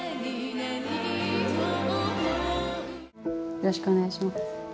よろしくお願いします。